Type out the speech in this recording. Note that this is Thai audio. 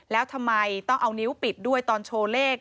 แล้วทำไมต้องเอานิ้วปิดด้วยตอนโชว์เลข